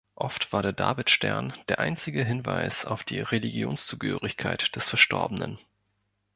Oft war der Davidstern der einzige Hinweis auf die Religionszugehörigkeit des Verstorbenen.